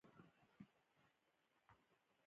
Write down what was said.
د تولیدي وسایلو تکامل انسان ته نوی ځواک ورکړ.